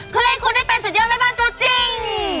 เพื่อให้คุณได้เป็นสุดยอดแม่บ้านตัวจริง